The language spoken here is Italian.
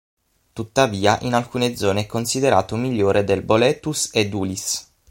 Tuttavia in alcune zone è considerato migliore del Boletus edulis.